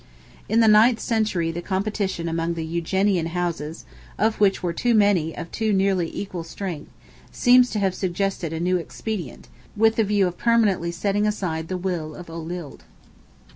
In the ninth century the competition among the Eugenian houses—of which too many were of too nearly equal strength—seems to have suggested a new expedient, with the view of permanently setting aside the will of Olild.